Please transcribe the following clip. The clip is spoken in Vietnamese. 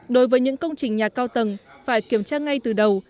đối với những công trình nhà cao tầng phải kiểm tra ngay từ đầu